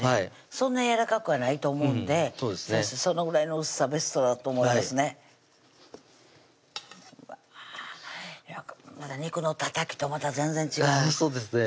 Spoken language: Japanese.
そんなやわらかくはないと思うんでそのぐらいの薄さベストだと思いますねまた肉のたたきとまた全然違うそうですね